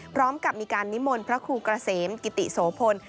พร้อมกับมีการนิมนต์พระครูเกษมกิติโสพล